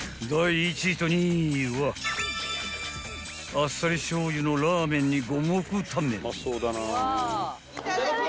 ［あっさりしょうゆのラーメンに五目タンメン］